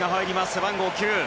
背番号９。